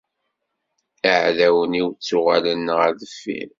Iɛdawen-iw ttuɣalen ɣer deffir.